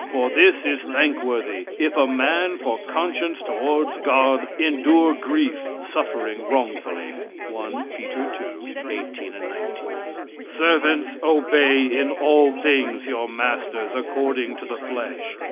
"For this is thankworthy, if a man for conscience toward God endure grief, suffering wrongfully." (1 Peter ii, 18, 19.) "Servants, obey in all things your masters according to the flesh."